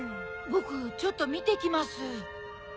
ぼくちょっとみてきます。